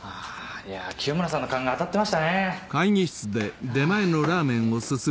清村さんの勘が当たってましたね。